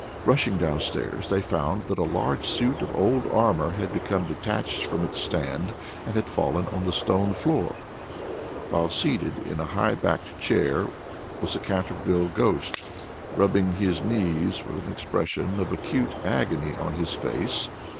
Rushing downstairs, they found that a large suit of old armor had become detached from its stand, and had fallen on the stone floor, while seated in a high backed chair was the Canterville ghost, rubbing his knees with an expression of acute agony on his face.